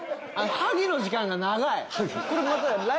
ハゲの時間が長い。